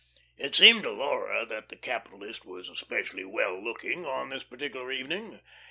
It seemed to Laura that the capitalist was especially well looking on this particular evening.